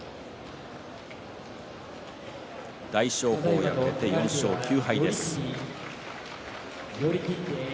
大翔鵬、敗れて４勝９敗です。